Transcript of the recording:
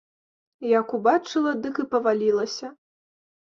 Як убачыла, дык і павалілася.